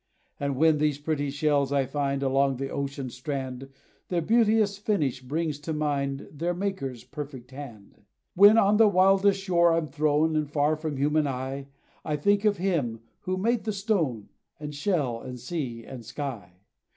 "And when these pretty shells I find, Along the ocean strand, Their beauteous finish brings to mind Their Maker's perfect hand. "When on the wildest shore I'm thrown, And far from human eye, I think of him who made the stone, And shell, and sea, and sky.